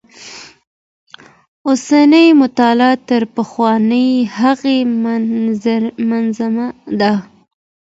اوسنۍ مطالعه تر پخوانۍ هغې منظمه ده.